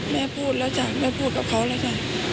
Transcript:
แม่พูดแล้วจ้ะแม่พูดกับเขาแล้วจ้ะ